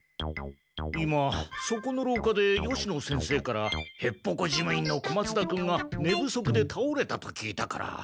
今そこのろうかで吉野先生からへっぽこ事務員の小松田君が寝不足でたおれたと聞いたから。